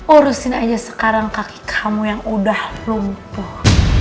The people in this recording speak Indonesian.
urusin aja sekarang kaki kamu yang udah lumpuh